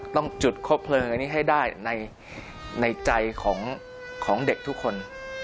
ต้องจุดคบเพลิงอันนี้ให้ได้ในใจของเด็กทุกคน